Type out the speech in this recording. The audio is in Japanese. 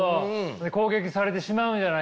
攻撃されてしまうんじゃないかみたいな。